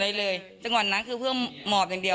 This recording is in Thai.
อาจพูดง่าย